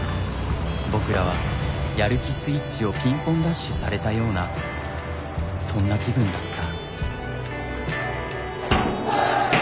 僕らはやる気スイッチをピンポンダッシュされたようなそんな気分だった。